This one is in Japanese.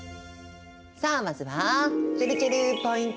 さあまずはちぇるちぇるポイント